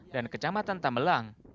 dan kecamatan tambelang